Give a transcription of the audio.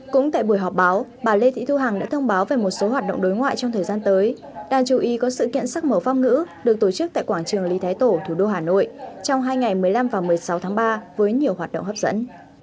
cũng tại buổi họp báo bà lê thị thu hằng đã thông báo về một số hoạt động đối ngoại trong thời gian tới đáng chú ý có sự kiện sắc mở pháp ngữ được tổ chức tại quảng trường lý thái tổ thủ đô hà nội trong hai ngày một mươi năm và một mươi sáu tháng ba với nhiều hoạt động hấp dẫn